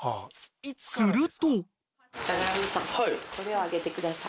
［すると］